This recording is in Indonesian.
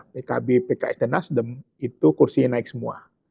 pkb pks dan nasdem itu kursinya naik semua